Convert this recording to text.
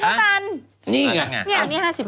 อันนี้๕๕ปี